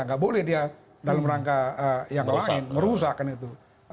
nggak boleh dia dalam rangka yang lain merusakkan itu